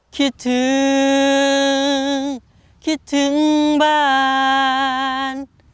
คิดถึงคิดถึงบ้าน